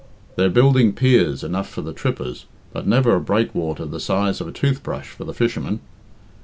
They're building piers enough for the trippers, but never a breakwater the size of a tooth brush for the fishermen.